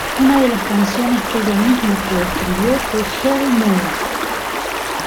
Una de las canciones que ella misma co-escribió fue ""Hell, No!